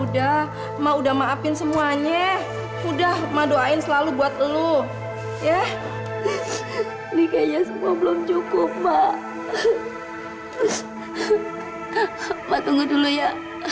sampai jumpa di video selanjutnya